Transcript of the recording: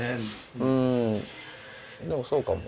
うんでもそうかも。